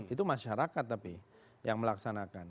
itu masyarakat tapi yang melaksanakan